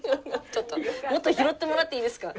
ちょっともっと拾ってもらっていいですか。